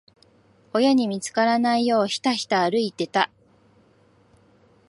親に見つからないよう、ひたひた歩いてた。